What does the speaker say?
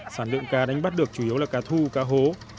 sản lượng cá đánh bắt được chủ yếu là cá thu cá hố